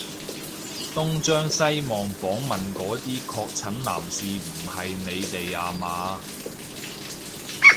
東張西望訪問嗰啲確診男士唔係你哋吖嘛？